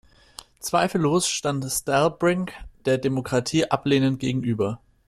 Zweifellos stand Stellbrink der Demokratie ablehnend gegenüber.